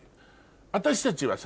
私たちはさ